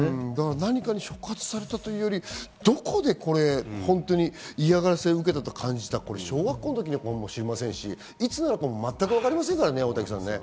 何かに触発されたというより、どこで嫌がらせを受けたと感じたのか、小学校の時かもしれませんし、いつだかも全くわかりませんからね、大竹さん。